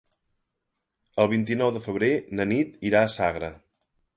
El vint-i-nou de febrer na Nit irà a Sagra.